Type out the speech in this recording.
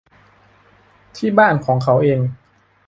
ที่บ้านของเขาเอง